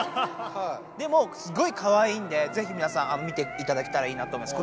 でもすごいかわいいんでぜひみなさん見ていただけたらいいなと思います